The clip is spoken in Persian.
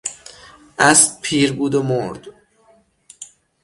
اسب پیر بود و مرد.